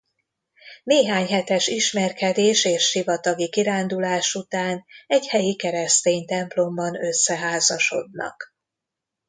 Néhány hetes ismerkedés és sivatagi kirándulás után egy helyi keresztény templomban összeházasodnak.